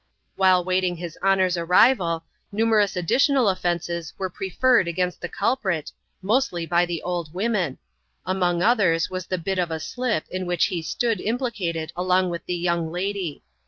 While waiting his Honour's arrival, numerous additional offences were pre ferred against the culprit (mostly by the old women) ; among others was the bit of a slip in which he stood implicated along with the young lady.